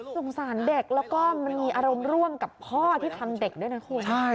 สงสารเด็กแล้วก็มันมีอารมณ์ร่วมกับพ่อที่ทำเด็กด้วยนะคุณ